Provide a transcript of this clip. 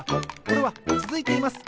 これはつづいています！